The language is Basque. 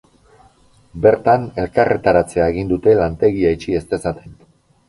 Bertan, elkarretaratzea egin dute, lantegia itxi ez dezaten.